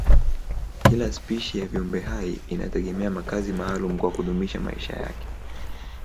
Kila spishi ya viumbehai inategemea makazi maalumu kwa kudumisha maisha yake.